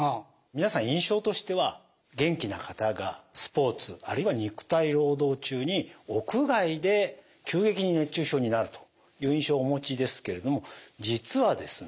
皆さん印象としては元気な方がスポーツあるいは肉体労働中に屋外で急激に熱中症になるという印象をお持ちですけれども実はですね